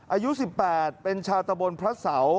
อายุ๑๘เป็นชาวตะบนพระเสา